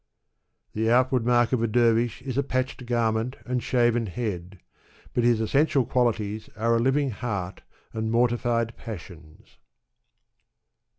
The outward mark of a dervish is a patched garment \;^l and shaven head; but his essential qualities are a liv ing heart and mortified passions.